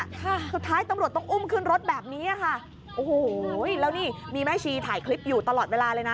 ค่ะสุดท้ายตำรวจต้องอุ้มขึ้นรถแบบนี้อ่ะค่ะโอ้โหแล้วนี่มีแม่ชีถ่ายคลิปอยู่ตลอดเวลาเลยนะ